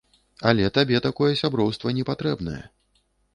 Але табе такое сяброўства непатрэбнае.